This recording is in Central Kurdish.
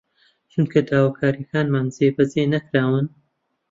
چونکە داواکارییەکانمان جێبەجێ نەکراون